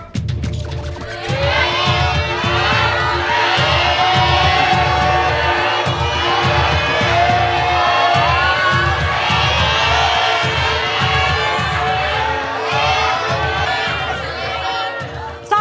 แพนไหนครับ